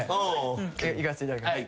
いかせていただきます。